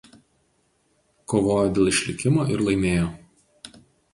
Kovojo dėl išlikimo ir laimėjo.